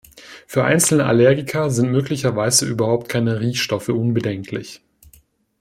Für einzelne Allergiker sind möglicherweise überhaupt keine Riechstoffe unbedenklich.